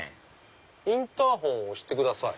「インターホンを押して下さい」